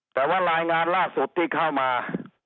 แต่ว่ารายงานล่าสุดที่เข้ามา